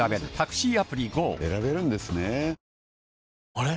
あれ？